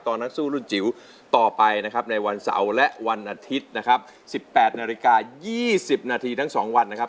ตอนทั้งสู้รุ่นจิ๋วต่อไปนะครับในวันเสาร์และวันอาทิตย์นะครับสิบแปดนาฬิกายี่สิบนาทีทั้งสองวันนะครับ